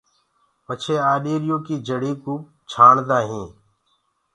پڇي آڏيريٚ يو ڪيٚ پآڙي ڪوُ ڇآڻدآ هينٚ